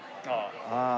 ああ。